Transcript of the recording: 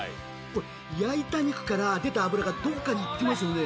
焼いた肉から出た脂がどこかに行ってますよね。